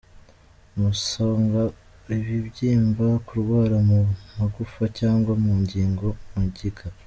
Umusonga, ibibyimba, kurwara mu magufa cyangwa mu ngingo, mugiga,.